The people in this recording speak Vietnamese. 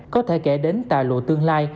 có thể kể đến tà lộ tương lai